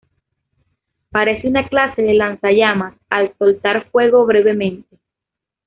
Parece una clase de lanzallamas, al soltar fuego brevemente.